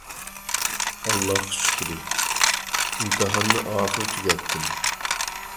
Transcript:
ئاللاھقا شۈكرى. ئىمتىھاننى ئاخىرى تۈگەتتىم.